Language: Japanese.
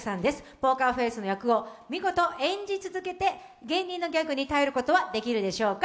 ポーカーフェースの役を見事、演じ続けて芸人のギャグに耐えることはできるでしょうか？